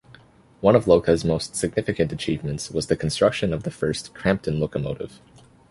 One of Lowca's most significant achievements was the construction of the first Crampton locomotive.